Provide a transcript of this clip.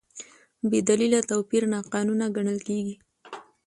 بېدلیله توپیر ناقانونه ګڼل کېږي.